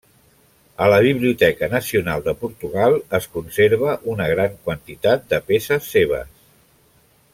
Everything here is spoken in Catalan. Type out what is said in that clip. A la Biblioteca Nacional de Portugal es conserva una gran quantitat de peces seves.